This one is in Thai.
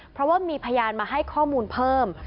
เพราะว่ามีพยานมาให้ข้อมูลเพิ่ม